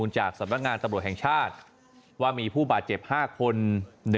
จากสำนักงานตำรวจแห่งชาติว่ามีผู้บาดเจ็บ๕คน